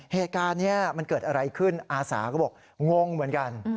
เหตุการณ์นี้มันเกิดอะไรขึ้นอาสาก็บอกงงเหมือนกัน